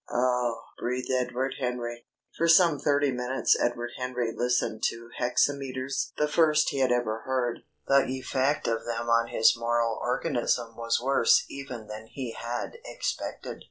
"Oh!" breathed Edward Henry. For some thirty minutes Edward Henry listened to hexameters, the first he had ever heard. The effect of them on his moral organism was worse even than he had expected.